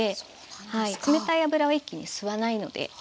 冷たい油を一気に吸わないのではい。